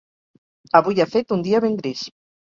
Avui ha fet un dia ben gris.